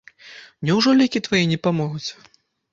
Няўжо лекі твае не памогуць?